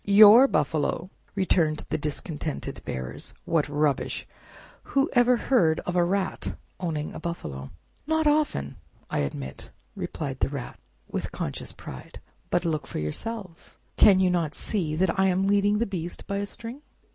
"Your buffalo!" returned the discontented bearers. "What rubbish! Whoever heard of a rat owning a buffalo?" "Not often, I admit," replied the Rat with conscious pride; "but look for yourselves. Can you not see that I am leading the beast by a string?"